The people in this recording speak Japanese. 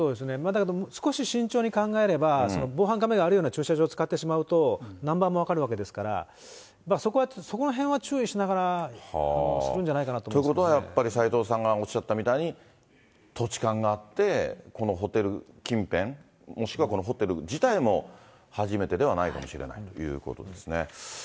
だけど少し慎重に考えれば、防犯カメラがあるような駐車場を使ってしまうと、ナンバーも分かるわけですから、そこらへんは注意しながらするんじゃないかと思ということは、やっぱり、齊藤さんがおっしゃったみたいに、土地勘があって、このホテル近辺、もしくはこのホテル自体も初めてではないかもしれないということですね。